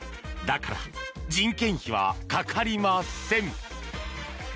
だから人件費はかかりません。